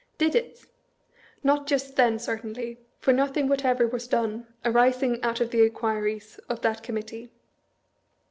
Did it? Not just then, certainly; for, nothing whatever was done, arising out of the iaquiries of that Committee.